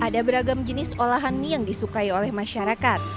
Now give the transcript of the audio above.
ada beragam jenis olahan mie yang disukai oleh masyarakat